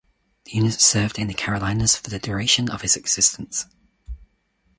The unit served in the Carolinas for the duration of its existence.